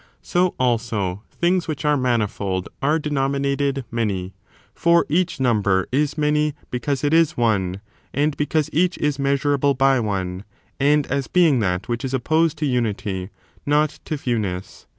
So, also, things which are manifold are de nominated many; for each number is many because it is one,^ and because each is measurable by one, and as being that which is opposed to unity, not to fewness.